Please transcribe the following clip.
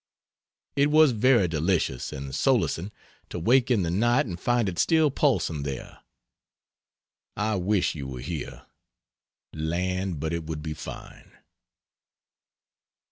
It was very delicious and solacing to wake in the night and find it still pulsing there. I wish you were here land, but it would be fine!